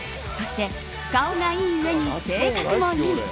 そして顔がいい上に性格もいい。